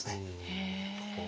へえ。